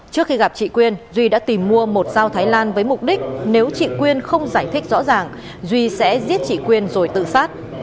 trước khi gặp chị quyên duy đã tìm mua một dao thái lan với mục đích nếu chị quyên không giải thích rõ ràng duy sẽ giết chị quyên rồi tự sát